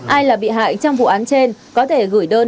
ai là bị hại trong vụ án trên có thể gửi đơn